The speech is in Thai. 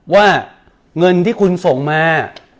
ว่าเงินที่คุณส่งมา